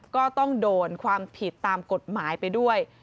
ก็ต้องโดนความผิดตามกฎหมายไปด้วย